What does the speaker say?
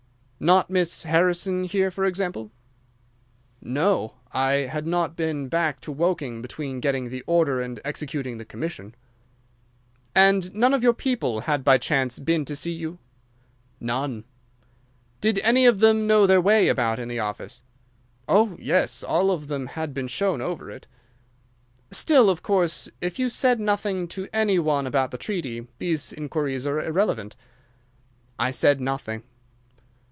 "Not Miss Harrison here, for example?" "No. I had not been back to Woking between getting the order and executing the commission." "And none of your people had by chance been to see you?" "None." "Did any of them know their way about in the office?" "Oh, yes, all of them had been shown over it." "Still, of course, if you said nothing to any one about the treaty these inquiries are irrelevant." "I said nothing."